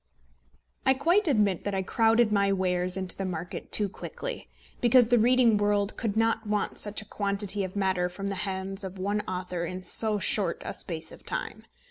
I quite admit that I crowded my wares into the market too quickly, because the reading world could not want such a quantity of matter from the hands of one author in so short a space of time.